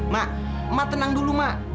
mak mak tenang dulu mak